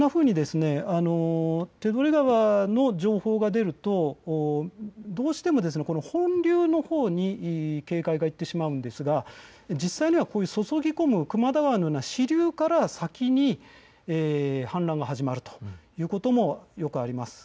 手取川の情報が出るとどうしても本流のほうに警戒がいってしまうんですが実際にはこういった注ぎ込む熊田川のような支流から先に氾濫が始まるということもよくあります。